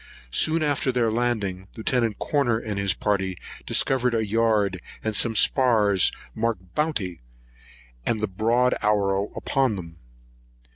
Soon after their landing, Lieut. Corner and his party discovered a yard and some spars marked Bounty, and the broad arrow upon them.